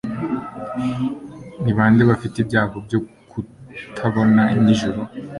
ni ba nde bafite ibyago byo kutabona nijoro